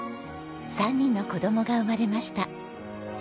３人の子供が生まれました。